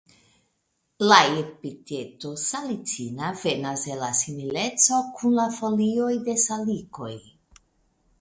La epiteto "salicina" venas el la simileco kun la folioj de salikoj.